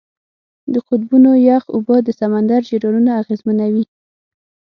د قطبونو یخ اوبه د سمندر جریانونه اغېزمنوي.